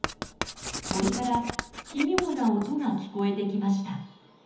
森から奇妙な音が聞こえてきました。